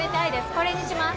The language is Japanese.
これにします。